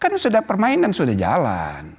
kan sudah permainan sudah jalan